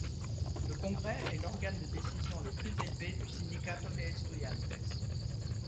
Le congrès est l'organe de décision le plus élevé du Sindicato de estudiantes.